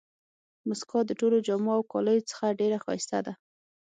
مسکا د ټولو جامو او کالیو څخه ډېره ښایسته ده.